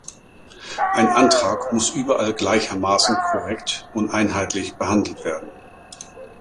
Ein Antrag muss überall gleichermaßen korrekt und einheitlich behandelt werden.